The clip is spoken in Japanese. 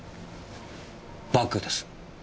バッグです。